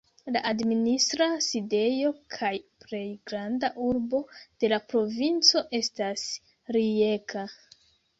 La administra sidejo kaj plej granda urbo de la provinco estas Rijeka.